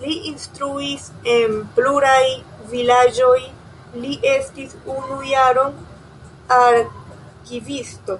Li instruis en pluraj vilaĝoj, li estis unu jaron arkivisto.